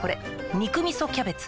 「肉みそキャベツ」